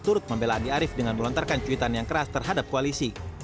turut membela andi arief dengan melontarkan cuitan yang keras terhadap koalisi